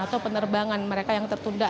atau penerbangan mereka yang tertunda